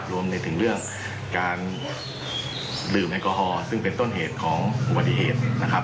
รวมถึงเรื่องการดื่มแอลกอฮอลซึ่งเป็นต้นเหตุของอุบัติเหตุนะครับ